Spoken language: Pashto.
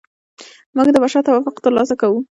موږ د بشر توافق ترلاسه کوو.